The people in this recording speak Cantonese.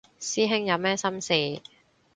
師兄有咩心事